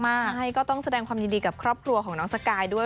ใช่ก็ต้องแสดงความยินดีกับครอบครัวของน้องสกายด้วย